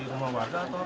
di rumah warga atau